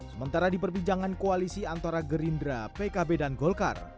sementara diperbincangan koalisi antara gerindra pkb dan golkar